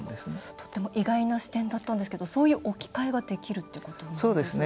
とっても意外な視点だったんですけどそういう置き換えができるっていうことなんですね。